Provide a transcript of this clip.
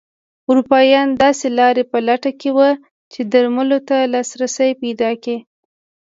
اروپایان داسې لارې په لټه کې وو چې درملو ته لاسرسی پیدا کړي.